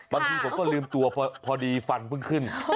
บางทีผมก็ลืมตัวพอดีฟันเพิ่งขึ้น